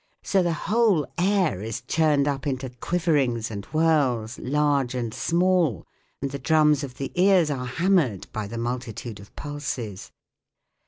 So the whole air is churned up into quiverings and whirls large and small, and the drums of the ears are hammered by the multitude of pulses.